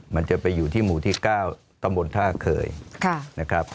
มันจะไปอยู่ที่หมู่ที่๙ตำบลท่าเคยนะครับ